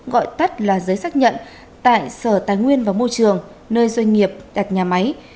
gọi tắt là giấy xác nhận tại sở tài nguyên và môi trường nơi doanh nghiệp đặt nhà máy